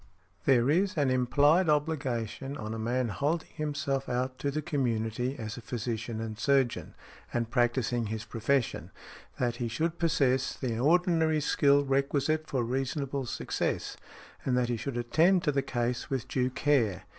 There is an implied obligation on a man holding himself out to the community as a physician and surgeon, and practising his profession, that he should possess the ordinary skill requisite for reasonable success, and that he should attend to the case with due care .